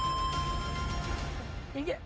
いけ！